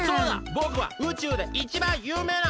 ぼくは宇宙でいちばんゆうめいな王子！